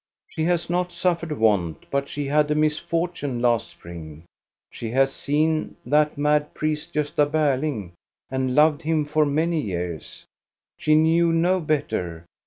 " She has not suffered want, but she had a misfor tune last spring. She has seen that mad priest, Gosta Berling, and loved him for many years. She knew no better.